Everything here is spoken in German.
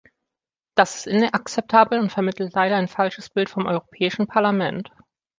Das ist inakzeptabel und vermittelt leider ein falsches Bild vom Europäischen Parlament.